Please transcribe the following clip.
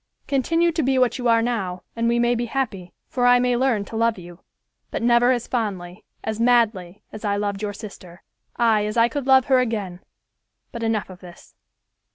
Continue to be what you are now, and we may be happy, for I may learn to love you, but never as fondly, as madly, as I loved your sister; ay, as I could love her again; but enough of this.